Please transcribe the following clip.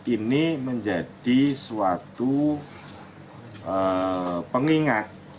ini menjadi suatu pengingat